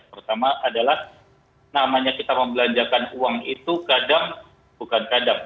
pertama adalah namanya kita membelanjakan uang itu kadang bukan kadang